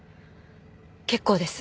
結構です。